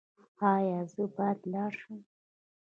ایا زه باید لاړ شم؟